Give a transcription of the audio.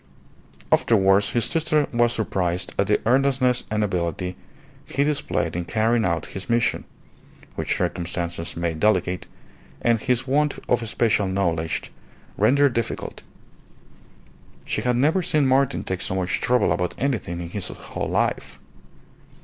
Afterwards his sister was surprised at the earnestness and ability he displayed in carrying out his mission, which circumstances made delicate, and his want of special knowledge rendered difficult. She had never seen Martin take so much trouble about anything in his whole life.